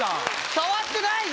触ってないよ！